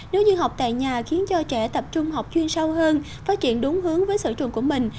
nếu như học tại nhà khiến cho trẻ tập trung học chuyên sâu hơn phát triển đúng hướng với sở trường của mình